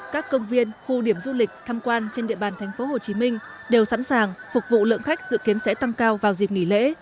các công viên khu điểm du lịch tham quan trên địa bàn tp hcm đều sẵn sàng phục vụ lượng khách dự kiến sẽ tăng cao vào dịp nghỉ lễ